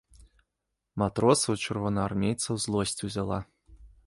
Матросаў і чырвонаармейцаў злосць узяла.